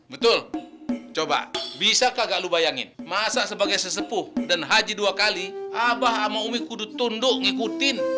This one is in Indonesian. betul coba bisa kagak lu bayangin masa sebagai sesepuh dan haji dua kali abah sama umi kudu tunduk ngikutin